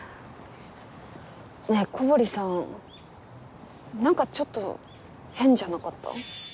ねえ古堀さんなんかちょっと変じゃなかった？